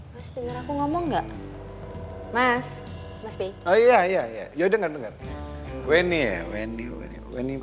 mas denger aku ngomong enggak mas mas fik oh iya iya ya udah denger dengar weni ya weni weni